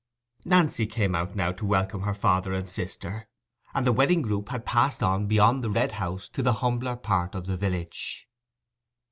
Nancy came out now to welcome her father and sister; and the wedding group had passed on beyond the Red House to the humbler part of the village.